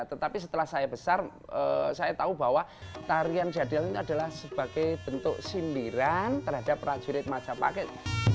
tetapi setelah saya besar saya tahu bahwa tarian jadil ini adalah sebagai bentuk sindiran terhadap prajurit majapake